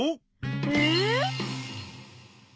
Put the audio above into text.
えっ？